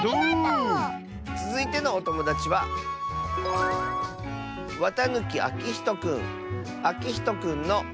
つづいてのおともだちはあきひとくんの。